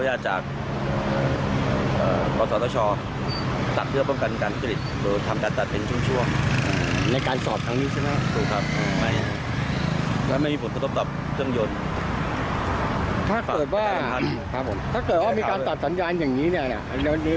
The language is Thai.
ถ้าเกิดว่ามีการตัดสัญญาณอย่างนี้เนี่ย